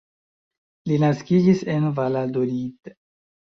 Li naskiĝis en Valladolid.